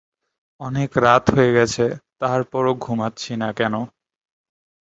তার বাবার নাম সোলায়মান মিয়া এবং মায়ের নাম সাদিয়া খাতুন।